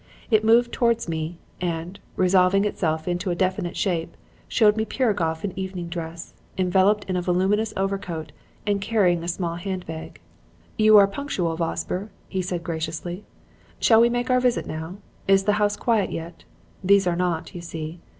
It moved towards me, and, resolving itself into a definite shape, showed me Piragoff in evening dress, enveloped in a voluminous overcoat and carrying a small hand bag. "'You are punctual, Vosper,' he said graciously. 'Shall we make our visit now? Is the house quiet yet? These are not, you see.'